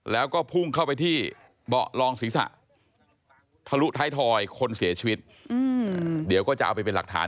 แล้วก็พุ่งเข้าไปที่เบาะลองศิษฐะ